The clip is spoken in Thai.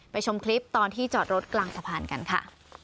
ชมคลิปตอนที่จอดรถกลางสะพานกันค่ะ